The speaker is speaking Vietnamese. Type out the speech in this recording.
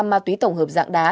ma túy tổng hợp dạng đá